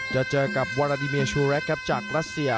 จะเจอกับวาราดิเมียชูแรคครับจากรัสเซีย